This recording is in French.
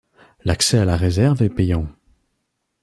L'accès à la réserve est payant.